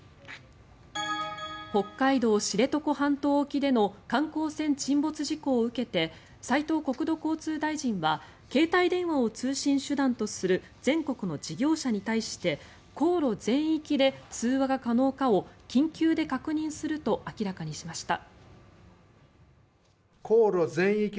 北海道・知床半島沖での観光船沈没事故を受けて斉藤国土交通大臣は携帯電話を通信手段とする全国の事業者に対して航路全域で通話が可能かを緊急で確認すると明らかにしました。